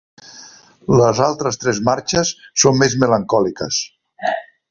Les altres tres marxes són més melancòliques.